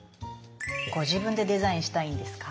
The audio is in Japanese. ご自分でデザインしたいんですか？